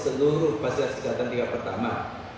seluruh fasilitas kesehatan tiga pertama